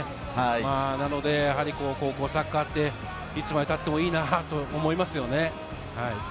なので、高校サッカーっていつまでたってもいいなぁって思いますよね。